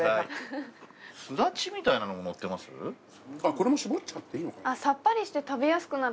これも搾っちゃっていいのかな。